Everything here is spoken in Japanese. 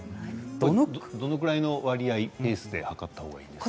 どのぐらいの割合ペースで測った方がいいんですか。